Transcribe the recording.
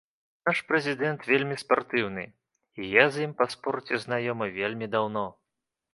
Наш прэзідэнт вельмі спартыўны, і я з ім па спорце знаёмы вельмі даўно.